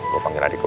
gua panggil adik gua